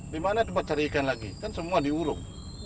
di mana tempat cari ikan lagi kan semua diuruk